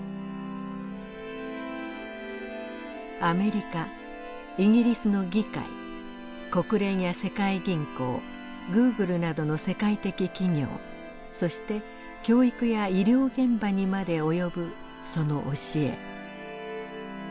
アメリカイギリスの議会国連や世界銀行グーグルなどの世界的企業そして教育や医療現場にまで及ぶその教え。